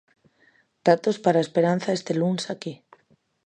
Datos para a esperanza este luns aquí.